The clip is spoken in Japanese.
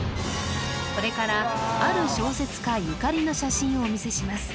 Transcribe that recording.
これからある小説家ゆかりの写真をお見せします